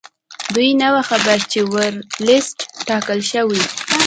دوی نه وو خبر چې ورلسټ ټاکل شوی.